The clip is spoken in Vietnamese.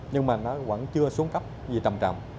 nhưng mà nó vẫn chưa xuống cấp gì trầm trầm